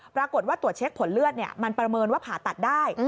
ปรากฏว่าตรวจเช็คผลเลือดมันประเมินว่าผ่าตัดได้